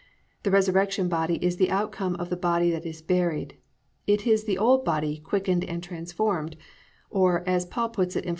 The resurrection body is the outcome of the body that is buried. It is the old body quickened and transformed; or, as Paul puts it in Phil.